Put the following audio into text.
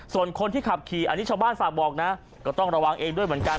ส่วนคนที่ขับขี่อันนี้ชาวบ้านฝากบอกนะก็ต้องระวังเองด้วยเหมือนกัน